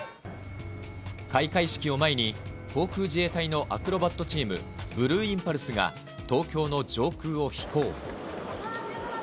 開会式を前に、航空自衛隊のアクロバットチーム、ブルーインパルスが東京の上空を飛行。